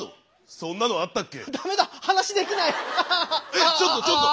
えっちょっとちょっと。